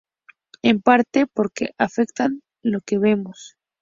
En parte porque afectan lo que vemos.